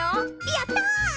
やった！